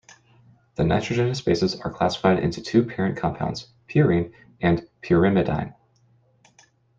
The nitrogenous bases are classified into two parent compounds, purine and pyrimidine.